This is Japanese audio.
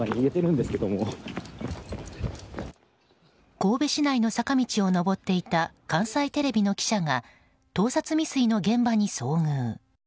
神戸市内の坂道を上っていた関西テレビの記者が盗撮未遂の現場に遭遇。